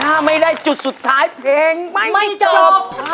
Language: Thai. ถ้าไม่ได้จุดสุดท้ายเพลงไม่จบ